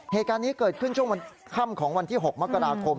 เหตุการณ์นี้เกิดขึ้นช่วงค่ำของวันที่๖มกราคม